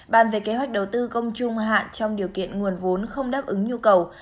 bàn về kế hoạch đầu tư công trung hạn trong điều kiện nguồn vốn không đáp ứng nhu cầu